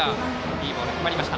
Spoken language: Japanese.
いいボールが決まりました。